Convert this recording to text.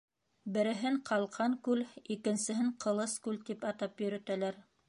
Береһен - Ҡалҡанкүл, икенсеһен Ҡылыскүл тип атап йөрөтәләр.